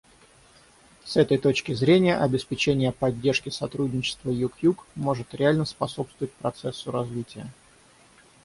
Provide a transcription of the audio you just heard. С этой точки зрения обеспечение поддержки сотрудничества Юг-Юг может реально способствовать процессу развития.